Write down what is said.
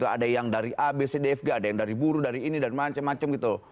ada yang dari a b c d fg ada yang dari buruh dari ini dan macam macam gitu